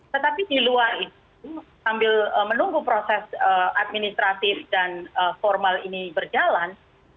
tetapi di luar itu sambil menunggu proses administratif dan formal ini berjalan